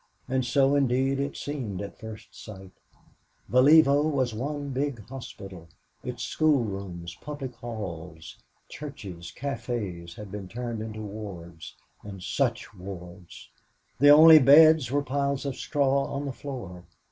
And so, indeed, it seemed at first sight. Valievo was one big hospital its schoolrooms, public halls, churches, cafés, had been turned into wards and such wards! The only beds were piles of straw on the floor.